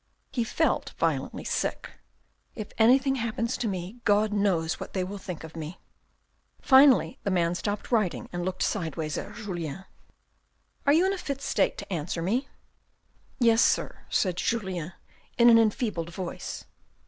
He felt violently sick. "If anything happens to me, God knows what they will think of me." Finally the man stopped writing and looked sideways at Julien. " Are you in a fit state to answer me ?"" Yes, sir," said Julien in an enfeebled voice.